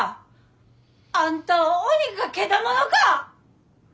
あんたは鬼かけだものか！